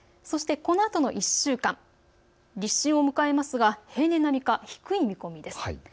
そしてこのあとの１週間、立春を迎えますが平年並みか低い見込みです。